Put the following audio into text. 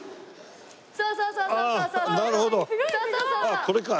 あっこれか。